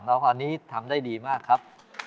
แล้วก็อันนี้ทำได้ดีมากครับ